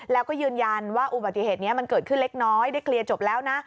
แล้วก็ยืนยันว่าอุบัติเหตุนี้มันเกิดขึ้นเล็กน้อยได้เคลียร์จบแล้วนะ